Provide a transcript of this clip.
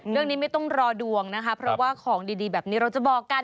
เรื่องนี้ไม่ต้องรอดวงนะคะเพราะว่าของดีแบบนี้เราจะบอกกัน